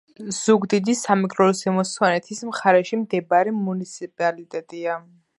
ზუგდიდი სამეგრელო ზემო სვანეთის მხარეში მდებარე მუნიციპალიტეტია.